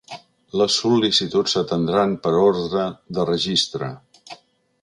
Les sol·licituds s’atendran per ordre de registre.